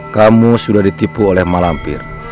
kamu sudah ditipu oleh mak lampir